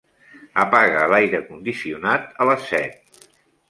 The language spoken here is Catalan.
Apaga l'aire condicionat a les set.